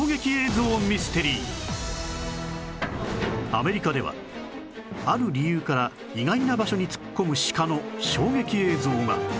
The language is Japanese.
アメリカではある理由から意外な場所に突っ込むシカの衝撃映像が